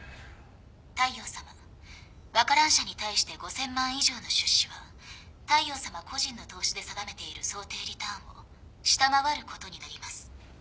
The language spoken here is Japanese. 大陽さまワカラン社に対して５，０００万以上の出資は大陽さま個人の投資で定めている想定リターンを下回ることになります。